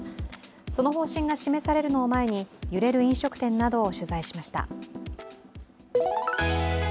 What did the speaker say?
その方針が示されるのを前に揺れる飲食店などを取材しました。